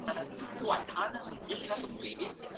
里斯托拉人口变化图示